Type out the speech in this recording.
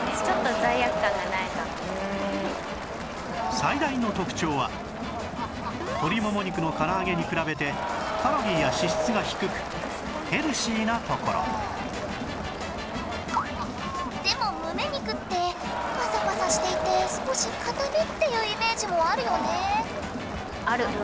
最大の特徴は鶏もも肉のから揚げに比べてカロリーや脂質が低くヘルシーなところでもむね肉ってパサパサしていて少し硬めっていうイメージもあるよね。